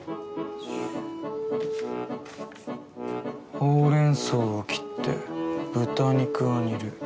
ほうれんそうを切って豚肉は煮る。